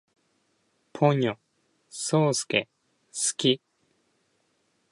ポニョ，そーすけ，好き